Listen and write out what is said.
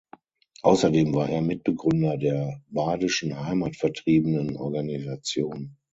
Außerdem war er Mitbegründer der Badischen Heimatvertriebenen-Organisation.